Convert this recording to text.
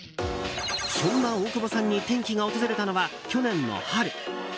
そんな大久保さんに転機が訪れたのは去年の春。